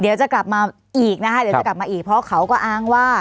เดี๋ยวจะกลับมาอีกนะคะเดี๋ยวจะกลับมาอีกเพราะเขาก็อ้างว่า